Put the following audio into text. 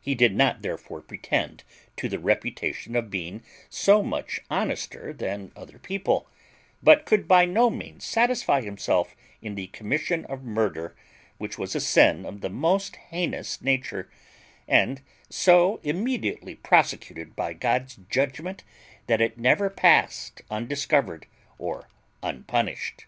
He did not therefore pretend to the reputation of being so much honester than other people; but could by no means satisfy himself in the commission of murder, which was a sin of the most heinous nature, and so immediately prosecuted by God's judgment that it never passed undiscovered or unpunished.